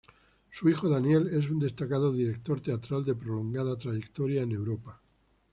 Su hijo Daniel es un destacado director teatral de prolongada trayectoria en Europa.